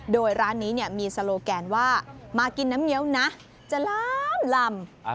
โดยร้านนี้มีโซโลแกนว่ามากินน้ำเงี้ยวนะจะล้ามลำ